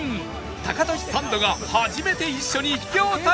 タカトシサンドが初めて一緒に秘境旅へ